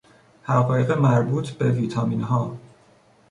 حقایق مربوط به ویتامینها